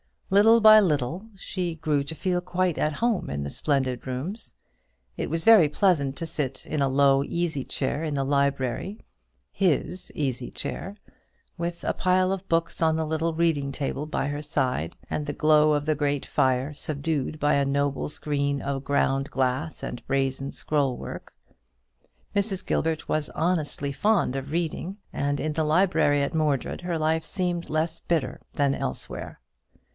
Little by little she grew to feel quite at home in the splendid rooms. It was very pleasant to sit in a low easy chair in the library, his easy chair, with a pile of books on the little reading table by her side, and the glow of the great fire subdued by a noble screen of ground glass and brazen scroll work. Mrs. Gilbert was honestly fond of reading, and in the library at Mordred her life seemed less bitter than elsewhere.